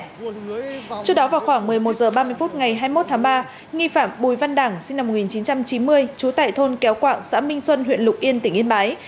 trước đó vào khoảng một mươi một h ba mươi phút ngày hai mươi một tháng ba nghi phạm bùi văn đảng sinh năm một nghìn chín trăm chín mươi trú tại thôn kéo quạng xã minh xuân huyện lục yên tỉnh yên bái